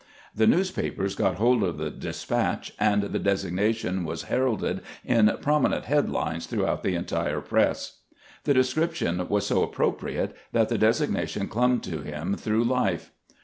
The newspapers got hold of the despatch, and the designation was heralded in prominent head lines throughout the entire press. The description was so ap propriate that the designation clung to him through life.